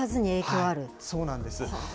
そうなんです。